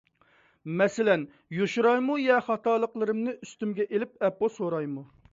مەسىلەن، يوشۇرايمۇ ياكى خاتالىقلىرىمنى ئۈستۈمگە ئېلىپ ئەپۇ سورايمۇ؟